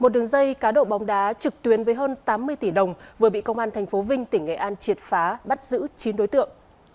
một đường dây cá độ bóng đá trực tuyến với hơn tám mươi tỷ đồng vừa bị công an tp vinh tỉnh nghệ an triệt phá bắt giữ chín đối tượng